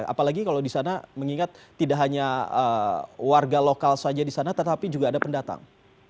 apalagi kalau di sana mengingat tidak hanya warga lokal saja di sana tetapi juga ada pendatang